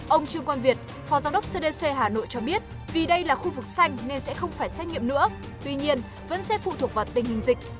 ông trương quang việt phó giám đốc cdc hà nội cho biết vì đây là khu vực xanh nên sẽ không phải xét nghiệm nữa tuy nhiên vẫn sẽ phụ thuộc vào tình hình dịch